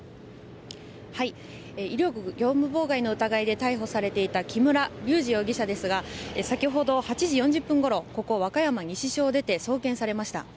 威力業務妨害の疑いで逮捕されていた木村隆二容疑者ですが先ほど、８時４０分ごろここ、和歌山西署を出て送検されました。